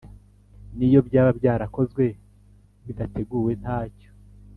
n'iyo byaba byarakozwe bidateguwe ntacyo